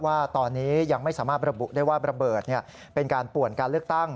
ว่าตอนนี้ยังไม่สามารถระบุได้ว่าระเบิดเป็นการป่วนการเลือกตั้ง